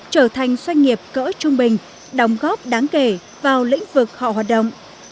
trở thành doanh nghiệp cỡ trung bình đóng góp đáng kể vào lĩnh vực họ hoạt động